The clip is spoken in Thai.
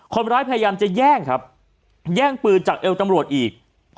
พยายามจะแย่งครับแย่งปืนจากเอวตำรวจอีก